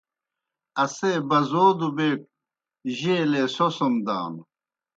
اسے بَزَودوْ بیک جیلے سوسَم دانوْ۔